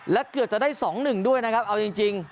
และเกือบจะได้๒๑ด้วยนะครับเอาจริง